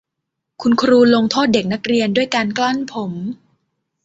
คุณครูลงโทษเด็กนักเรียนด้วยการกล้อนผม